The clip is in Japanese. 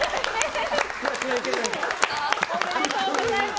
おめでとうございます。